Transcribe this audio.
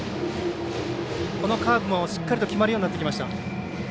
カーブもしっかりと決まるようになってきました。